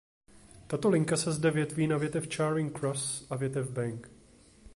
Tato linka se zde větví na větev Charing Cross a větev Bank.